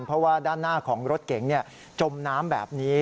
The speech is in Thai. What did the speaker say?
เพราะว่าด้านหน้าของรถเก๋งจมน้ำแบบนี้